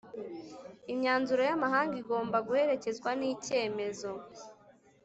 imyanzuro y amahanga igomba guherekezwa n icyemezo